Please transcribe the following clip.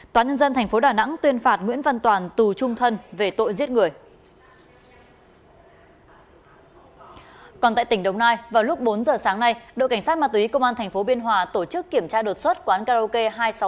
còn tại tỉnh đồng nai vào lúc bốn giờ sáng nay đội cảnh sát ma túy công an tp biên hòa tổ chức kiểm tra đột xuất quán karaoke hai trăm sáu mươi tám